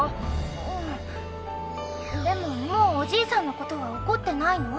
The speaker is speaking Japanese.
うんでももうおじいさんのことは怒ってないの？